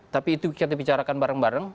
tapi itu kita bicarakan bareng bareng